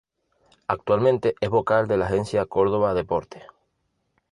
Actualmente es vocal de la Agencia Córdoba Deportes.